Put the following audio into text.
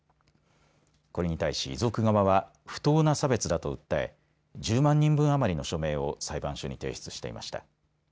これに対し遺族側は不当な差別だと訴え１０万人分余りの署名を裁判所に提出していました。